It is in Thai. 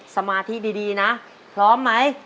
สมาธิดีนะพร้อมไหม